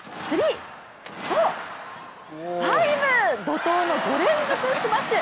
怒とうの５連続スマッシュ！